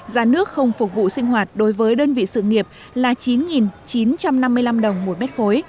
giá nước không phục vụ sinh hoạt đối với đơn vị sự nghiệp là chín chín trăm năm mươi năm đồng một mét khối